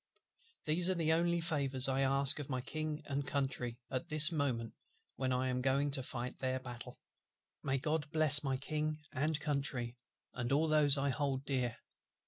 "These are the only favours I ask of my King and Country, at this moment when I am going to fight their battle. May GOD bless my King and Country, and all those I hold dear!